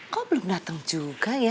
kok belum datang juga ya